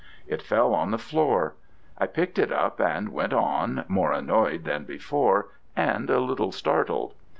It fell on the floor. I picked it up, and went on, more annoyed than before, and a little startled.